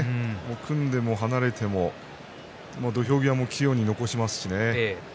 組んでも離れても土俵際、器用に残しますしね。